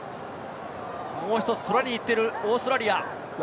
もう１つ、トライに行っているオーストラリア。